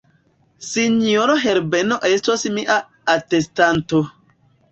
Sinjoro Herbeno estos mia atestanto.